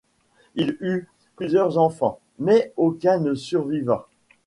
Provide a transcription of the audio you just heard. Il eut plusieurs enfants, mais aucun ne survivra.